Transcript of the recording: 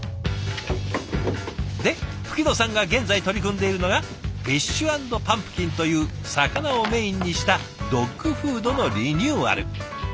で吹野さんが現在取り組んでいるのがフィッシュ＆パンプキンという魚をメインにしたドッグフードのリニューアル。